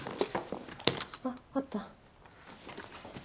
あっあった。